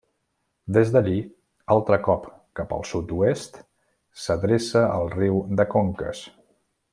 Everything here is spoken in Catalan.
Des d'allí, altre cop cap al sud-oest, s'adreça al riu de Conques.